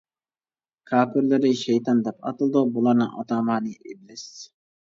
كاپىرلىرى شەيتان دەپ ئاتىلىدۇ، بۇلارنىڭ ئاتامانى ئىبلىس.